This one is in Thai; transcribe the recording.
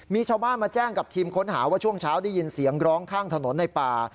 มีชาวบ้านมาแจ้งกับทีมค้นหาว่าช่วงเช้าได้ยินเสียงร้องข้างถนนในป่า